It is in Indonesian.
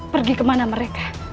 pergi kemana mereka